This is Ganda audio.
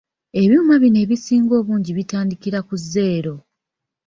Ebyuma bino ebisinga obungi bitandikira ku zeero.